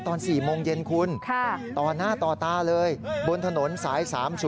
ตอน๔โมงเย็นคุณต่อหน้าต่อตาเลยบนถนนสาย๓๐